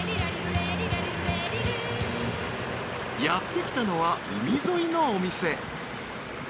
［やって来たのは海沿いのお店］